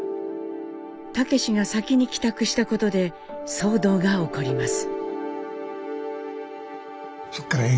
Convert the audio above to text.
武が先に帰宅したことで騒動が起こります。